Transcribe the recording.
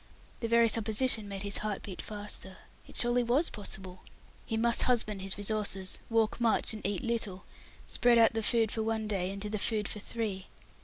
The very supposition made his heart beat faster. It surely was possible. He must husband his resources; walk much and eat little; spread out the food for one day into the food for three.